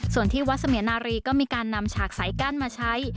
ส่วนที่วัดเสมียนารีก็มีการนำฉากสายกั้นมาใช้